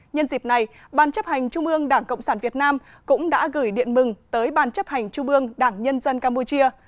nhân dịp này ban chấp hành trung ương đảng cộng sản việt nam cũng đã gửi điện mừng tới ban chấp hành trung ương đảng nhân dân campuchia